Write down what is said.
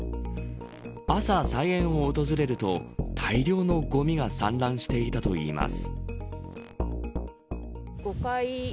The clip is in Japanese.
朝、菜園を訪れると大量のごみが散乱していたといいます。